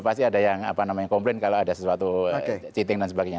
pasti ada yang komplain kalau ada sesuatu cheating dan sebagainya